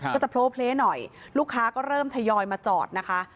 ก็จะโพลเพลหน่อยลูกค้าก็เริ่มทยอยมาจอดนะคะ